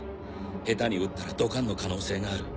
下手に撃ったらドカンの可能性がある。